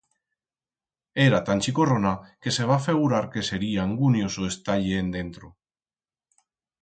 Era tan chicorrona que se va fegurar que sería angunioso estar-ie endentro.